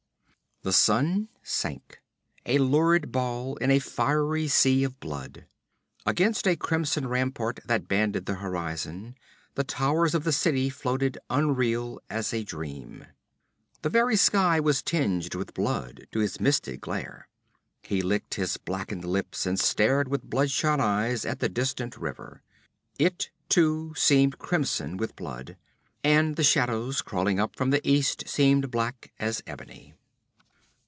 The sun sank, a lurid ball in a fiery sea of blood. Against a crimson rampart that banded the horizon the towers of the city floated unreal as a dream. The very sky was tinged with blood to his misted glare. He licked his blackened lips and stared with bloodshot eyes at the distant river. It too seemed crimson with blood, and the shadows crawling up from the east seemed black as ebony.